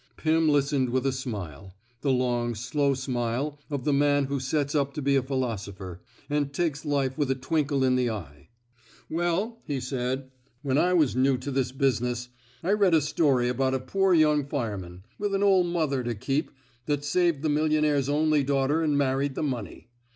Pim listened with a smile — the long, slow smile of the man who sets up to be a philoso pher, and takes life with a twinkle in the eye. 116 PRIVATE MOEPHY'S BOMANCE Well," he said, ^^when I was new to this business, I read a story about a poor young fireman — with an oP mother to keep — that saved the millionaire's only daughter and married the money.